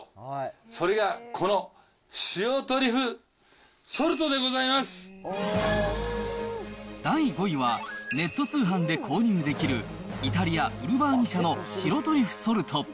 それがこの、第５位は、ネット通販で購入できる、イタリア、ウルバーニ社の白トリュフソルト。